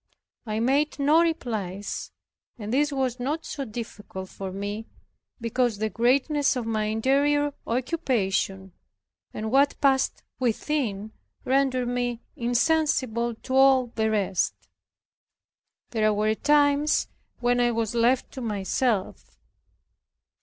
I made no replies and this was not so difficult for me, because the greatness of my interior occupation, and what passed within, rendered me insensible to all the rest. There were times when I was left to myself.